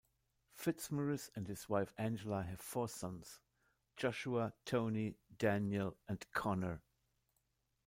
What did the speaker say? Fitzmaurice and his wife Angela have four sons: Joshua, Tony, Daniel and Connor.